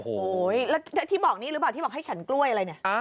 โอ้โหแล้วที่บอกนี้หรือเปล่าที่บอกให้ฉันกล้วยอะไรเนี่ย